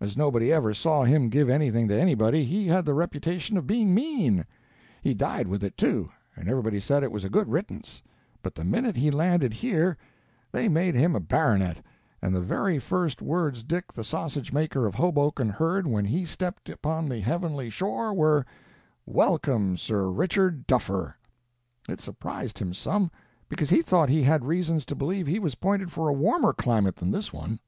As nobody ever saw him give anything to anybody, he had the reputation of being mean; he died with it, too, and everybody said it was a good riddance; but the minute he landed here, they made him a baronet, and the very first words Dick the sausage maker of Hoboken heard when he stepped upon the heavenly shore were, 'Welcome, Sir Richard Duffer!' It surprised him some, because he thought he had reasons to believe he was pointed for a warmer climate than this one."